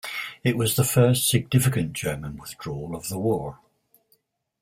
It was the first significant German withdrawal of the war.